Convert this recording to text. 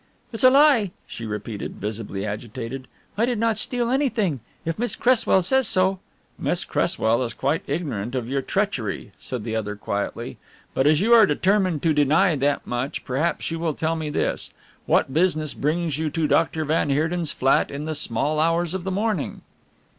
"It's a lie," she repeated, visibly agitated, "I did not steal anything. If Miss Cresswell says so " "Miss Cresswell is quite ignorant of your treachery," said the other quietly; "but as you are determined to deny that much, perhaps you will tell me this, what business brings you to Doctor van Heerden's flat in the small hours of the morning?"